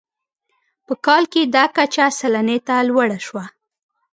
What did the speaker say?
په کال کې دا کچه سلنې ته لوړه شوه.